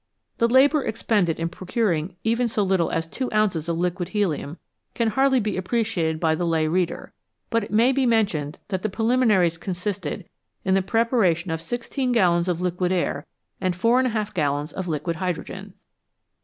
The labour expended in procuring even so little as 2 ounces of liquid helium can hardly be appreciated by the lay reader,, but it may be mentioned that the preliminaries consisted in the preparation of 16 gallons of liquid air and 44 gallons of liquid hydrogen